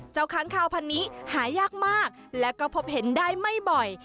ค้างคาวพันนี้หายากมากและก็พบเห็นได้ไม่บ่อย